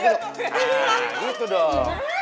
nah gitu dong